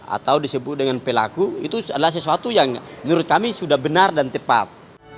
atau disebut dengan pelaku itu adalah sesuatu yang menurut kami sudah benar dan tepat